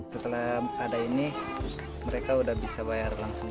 setelah ada ini mereka sudah bisa bayar langsung